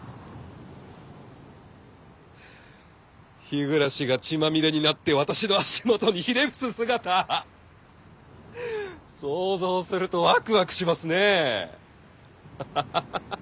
日暮が血まみれになって私の足元にひれ伏す姿想像するとワクワクしますねえ。